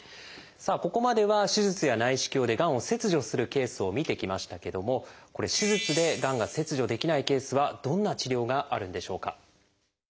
さあここまでは手術や内視鏡でがんを切除するケースを見てきましたけどもこれ手術でがんが切除できないケースはどんな治療があるんでしょうか？